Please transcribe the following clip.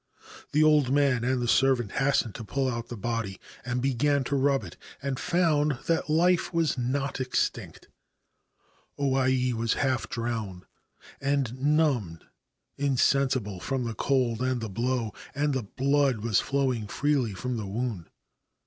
The old man and the servant hastened to pull out the body and began to rub it, and found that life was not extinct. O Ai was half drowned and numbed, '59 Ancient Tales and Folklore of Japan insensible from cold and the blow, and the blood was flowing freely from the wound.